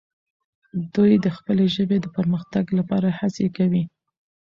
دوی د خپلې ژبې د پرمختګ لپاره هڅې کوي.